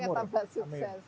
semoga tambah sukses amin